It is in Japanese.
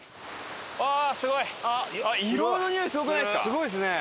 すごいですね！